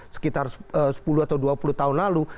sekitar sepuluh atau dua puluh tahun lalu